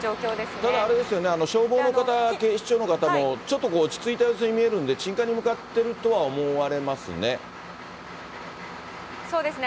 ただあれですよね、消防の方、警視庁の方も、ちょっと落ち着いた様子に見えるんで、鎮火に向かっているとは思われますね。